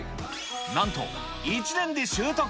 なんと１年で習得。